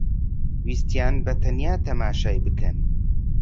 ویستیان بەتەنیا تەماشای بکەن